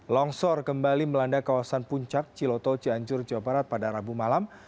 longsor kembali melanda kawasan puncak ciloto cianjur jawa barat pada rabu malam